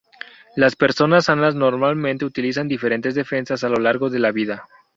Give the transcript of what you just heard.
Las personas sanas normalmente utilizan diferentes defensas a lo largo de la vida.